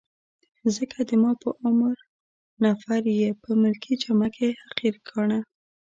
ځکه د ما په عمر نفر يې په ملکي جامه کي حقیر ګاڼه.